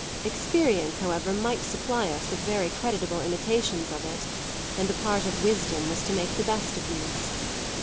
Experience, however, might supply us with very creditable imitations of it, and the part of wisdom was to make the best of these.